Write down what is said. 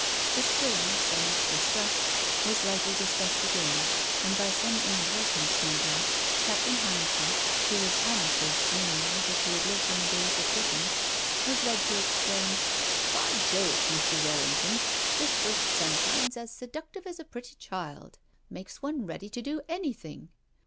The spring, so much discussed, was lightly dis cussed again, and, by some inadvertence, no doubt, Captain Hindford, who was almost as genial as if he had lived in the days of Dickens, was led to exclaim —" By Jove, Mrs. Errington, this first sunshine's as seductive as a pretty child — makes one ready to do anything